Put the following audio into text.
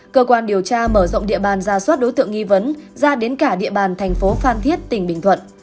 cơ quan điều tra mở rộng địa bàn ra soát đối tượng nghi vấn ra đến cả địa bàn thành phố phan thiết tỉnh bình thuận